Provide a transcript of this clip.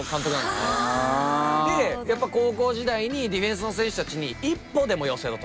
やっぱ高校時代にディフェンスの選手たちに一歩でも寄せろと。